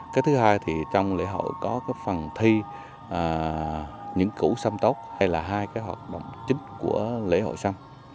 cái thứ hai thì trong lễ hội có cái phần thi những củ sâm tốc hay là hai cái hợp động chính của lễ hội sâm